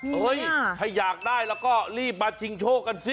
เฮ้ยถ้าอยากได้แล้วก็รีบมาชิงโชคกันสิ